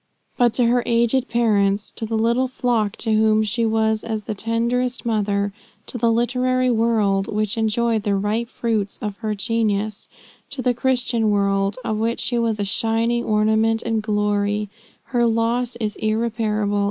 But to her aged parents to the little flock to whom she was as the tenderest mother to the literary world, which enjoyed the ripe fruits of her genius to the Christian world, of which she was a shining ornament and glory, her loss is irreparable.